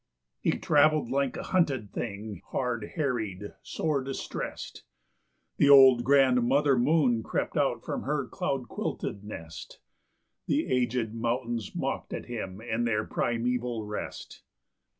He travelled like a hunted thing, hard harried, sore distrest; The old grandmother moon crept out from her cloud quilted nest; The aged mountains mocked at him in their primeval rest.